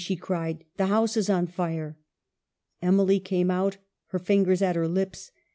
" she cried, " the house is on fire !" Emily came out, her fingers at her lips.